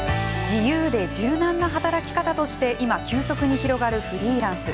自由で柔軟な働き方として今急速に広がるフリーランス。